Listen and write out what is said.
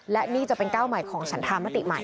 และนี่จะเป็นก้าวใหม่ของฉันธามติใหม่